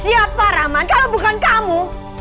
siapa rahman kalau bukan kamu